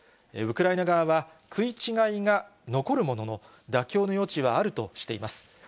ウクライナ側は、食い違いが残るものの、妥協の余地はあるとしています。